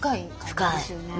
深い。